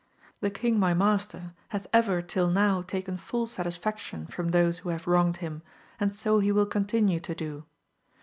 The king my master hath ever till now taken full satisfaction from those who have wronged him, and so he will continue to do.